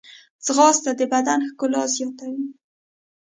ځغاسته د بدن ښکلا زیاتوي